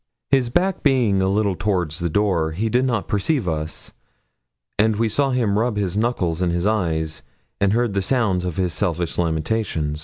His back being a little toward the door, he did not perceive us; and we saw him rub his knuckles in his eyes, and heard the sounds of his selfish lamentation.